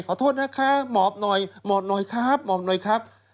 ขอโทษนะคะหมอบหน่อยหมอบหน่อยครับหมอบหน่อยครับ